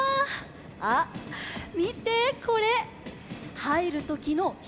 あっみてこれ！はいるときのひよけのかさ。